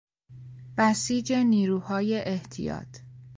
بسیج نیروهای احتیاط